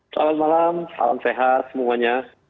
selamat malam salam sehat semuanya